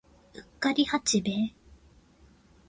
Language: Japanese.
うっかり八兵衛